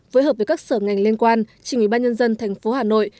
với hợp với các sở ngành liên quan chỉnh ủy ban nhân dân thành phố hà nội